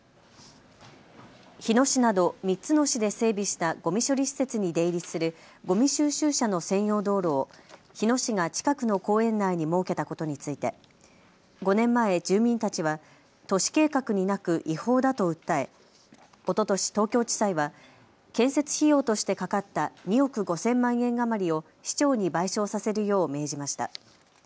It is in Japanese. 日野市など３つの市で整備したごみ処理施設に出入りするごみ収集車の専用道路を日野市が近くの公園内に設けたことについて５年前、住民たちは都市計画になく違法だと訴えおととし、東京地裁は建設費用としてかかった２億５０００万円余りを市長に賠償させるよう命じました。